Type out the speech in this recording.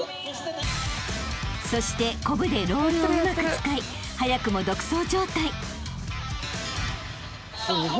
［そしてコブでロールをうまく使い早くも独走状態］